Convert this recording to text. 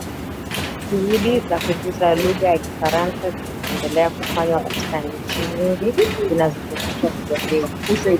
juhudi za kukuza lugha ya kifaransa zimeendelea kufanywa katika nchi nyingi zinazozungumza lugha hiyo